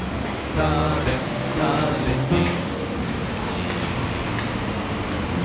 だれだれじん。